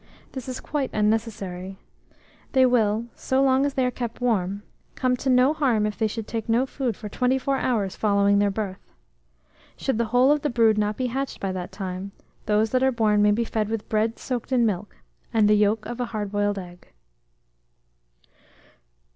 This is quite unnecessary. They will, so long as they are kept warm, come to no harm if they take no food for twenty four hours following their birth. Should the whole of the brood not be hatched by that time, those that are born may be fed with bread soaked in milk, and the yolk of a hard boiled egg.